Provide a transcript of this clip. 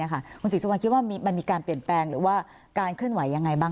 คุณศรีสุวรรณคิดว่ามันมีการเปลี่ยนแปลงหรือว่าการเคลื่อนไหวยังไงบ้าง